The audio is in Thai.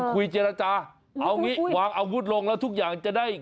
ก็จะเอาอย่างนี้วางอาวุธลงแล้วทุกอย่างจะได้